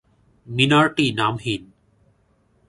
মিনারটি নামহীন।